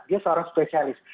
dia seorang spesialis